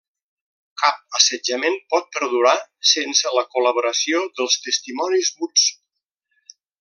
Cap assetjament pot perdurar sense la col·laboració dels 'testimonis muts'.